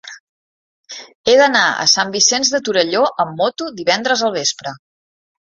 He d'anar a Sant Vicenç de Torelló amb moto divendres al vespre.